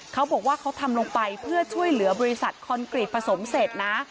เขาบอกว่าเขาทำลงไปเพื่อช่วยเหลือบริษัทคอนกรีตผสมเสร็จนะ